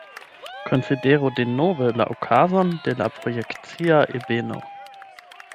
Konsideru denove la okazon de la projekcia ebeno.